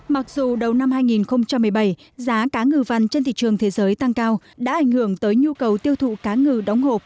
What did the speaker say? mặc dù đầu năm hai nghìn một mươi bảy giá cá ngừ vằn trên thị trường thế giới tăng cao đã ảnh hưởng tới nhu cầu tiêu thụ cá ngừ đóng hộp